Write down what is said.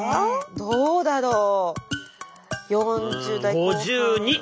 どうだろう。